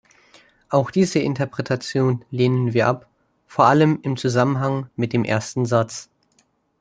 Auch diese Interpretation lehnen wir ab, vor allem im Zusammenhang mit dem ersten Satz.